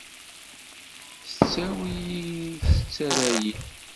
Tettawi-yi tettarra-yi.